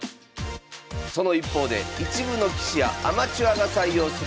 その一方で一部の棋士やアマチュアが採用する戦法があります。